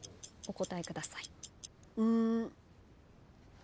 お答えください。